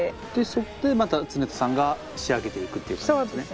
それでまた常田さんが仕上げていくっていう感じですね？